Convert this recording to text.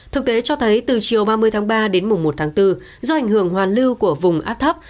thực tế cho thấy từ chiều ba mươi tháng ba đến mùng một tháng bốn do ảnh hưởng hoàn lưu của vùng áp thấp